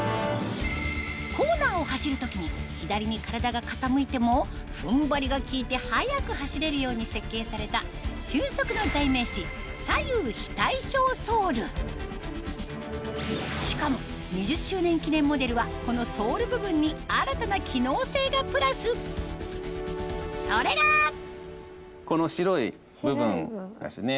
コーナーを走る時に左に体が傾いても踏ん張りが利いて速く走れるように設計された瞬足の代名詞しかも２０周年記念モデルはこのソール部分に新たな機能性がプラスそれがこの白い部分ですね。